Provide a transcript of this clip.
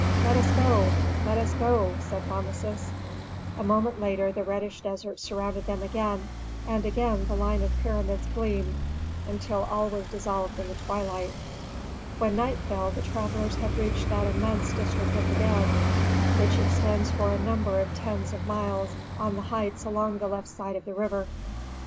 "Let us go; let us go!" said Rameses. A moment later the reddish desert surrounded them again, and again the line of pyramids gleamed until all was dissolved in the twilight. When night fell the travellers had reached that immense district of the dead, which extends for a number of tens of miles on the heights along the left side of the river.